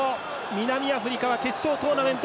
南アフリカは決勝トーナメント